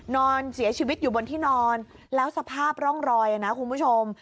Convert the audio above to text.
นอนเสียชีวิตอยู่บนที่นอนแล้วสภาพร่องรอยนะคุณผู้ชม